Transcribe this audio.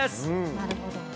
なるほど。